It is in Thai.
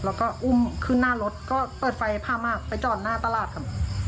แล้วก็อุ้มขึ้นหน้ารถก็เปิดไฟผ้ามากไปจอดหน้าตลาดครับ